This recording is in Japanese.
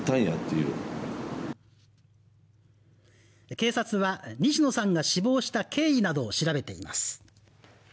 警察は西野さんが死亡した経緯などを調べています。